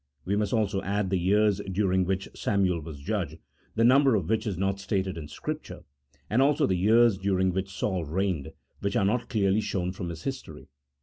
We must also add the years during which Samuel was judge, the number of which is not stated in Scripture, and also the years during which Saul reigned, which are not clearly shown from his history.